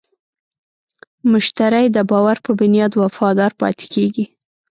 مشتری د باور په بنیاد وفادار پاتې کېږي.